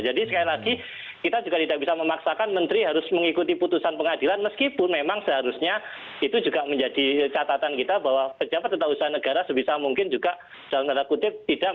jadi sekali lagi kita tidak bisa memaksakan menteri harus mengikuti putusan pengadilan meskipun memang seharusnya itu juga menjadi catatan kita bahwa pejabat tentang usaha negara sebisa mungkin juga dalam kata kutip tidak bisa mengikuti